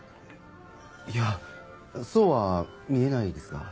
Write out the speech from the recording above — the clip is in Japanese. いやそうは見えないですが。